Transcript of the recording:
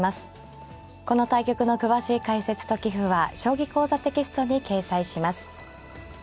この対局の詳しい解説と棋譜は「将棋講座」テキストに掲載します。